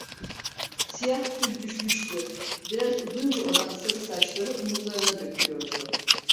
Siyah tül düşmüştü, biraz uzunca olan sarı saçları omuzlarına dökülüyordu.